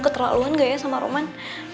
keterlaluan gak ya sama roman